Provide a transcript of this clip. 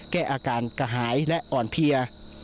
แก้อาการกระหายและอ่อนเพลีย